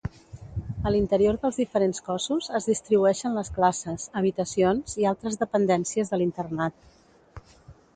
A l'interior dels diferents cossos es distribueixen les classes, habitacions i altres dependències de l'internat.